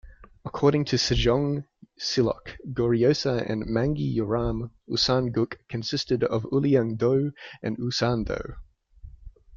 According to "Sejong Sillok", "Goryeosa", and "Mangi Yoram", Usan-guk consisted of Ulleung-do and Usan-do.